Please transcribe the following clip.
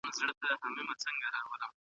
ټولنه د علم له لاري وده کوي.